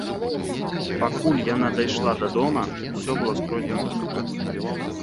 Пакуль яна дайшла да дома, усё было скрозь мокра.